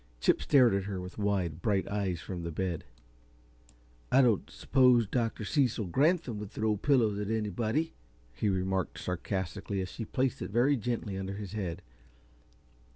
Chip stared at her with wide, bright eyes from the bed. "I don't suppose Dr. Cecil Granthum would throw pillows at anybody!" he remarked, sarcastically, as she placed it very gently under his head.